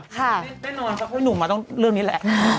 แน่นอนเพราะก็ให้หนูมาต้องเรื่องนี้แหละ